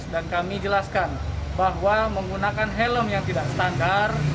dan kami jelaskan bahwa menggunakan helm yang tidak standar